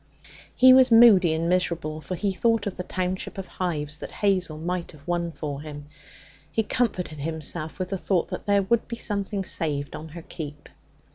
He was moody and miserable, for he thought of the township of hives that Hazel might have won for him. He comforted himself with the thought that there would be something saved on her keep.